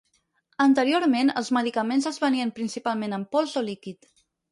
Anteriorment, els medicaments es venien principalment en pols o líquid.